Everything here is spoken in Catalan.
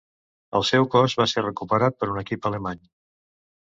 El seu cos va ser recuperat per un equip alemany.